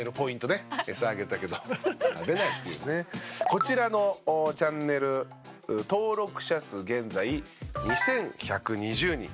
こちらのチャンネル登録者数現在２１２０人。